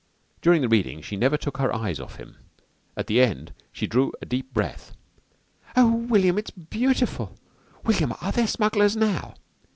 During the reading she never took her eyes off him. At the end she drew a deep breath. "Oh, William, it's beautiful. William, are there smugglers now?"